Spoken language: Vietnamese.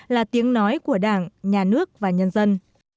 là tiếng nói của đảng nhà nước và nhân dân